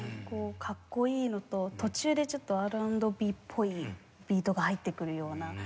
こうかっこいいのと途中でちょっとＲ＆Ｂっぽいビートが入ってくるような。